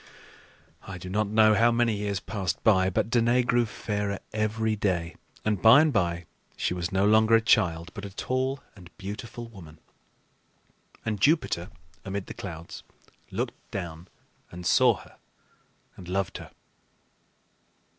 I do not know how many years passed by, but Danaë grew fairer every day, and by and by she was no longer a child, but a tall and beautiful woman; and Jupiter amid the clouds looked down and saw her and loved her.